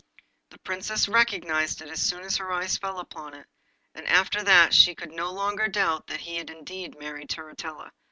The Princess recognised it as soon as her eyes fell upon it, and after that she could no longer doubt that he had indeed married Turritella.